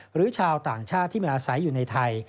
หรือชาวต่างชาติที่มาอาศัยอยู่ในไทย